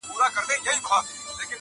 o لو څه زور غواړي؟ پرې که، واچوه.